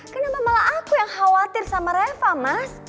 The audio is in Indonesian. kenapa malah aku yang khawatir sama reva mas